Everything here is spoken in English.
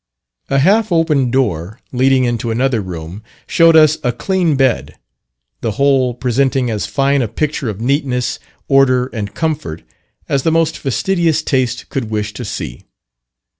A half open door, leading into another room, showed us a clean bed; the whole presenting as fine a picture of neatness, order, and comfort, as the most fastidious taste could wish to see.